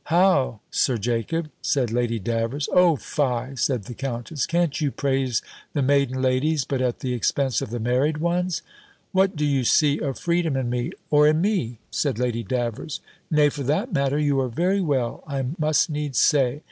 "How, Sir Jacob!" said Lady Davers. "O fie!" said the countess. "Can't you praise the maiden ladies, but at the expense of the married ones! What do you see of freedom in me?" "Or in me?" said Lady Davers. "Nay, for that matter you are very well, I must needs say.